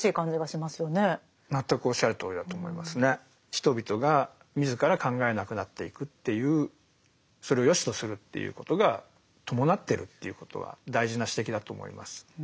人々が自ら考えなくなっていくっていうそれをよしとするっていうことが伴ってるっていうことは大事な指摘だと思います。